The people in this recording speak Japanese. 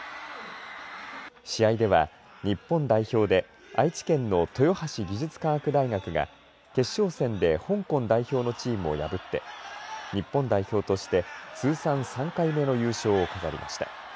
試合では、日本代表で愛知県の豊橋技術科学大学が決勝戦で香港代表のチームを破って日本代表として通算３回目の優勝を飾りました。